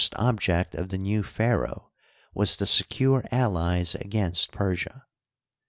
J43 object of the new pharaoh was to. secure allies against Persia.